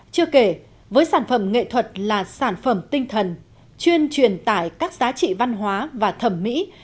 chưa kể với sản phẩm nghệ thuật là sản phẩm tinh thần chuyên truyền tải các giá trị văn hóa và thẩm mỹ